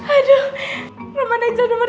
aduh roman aja nomor tiga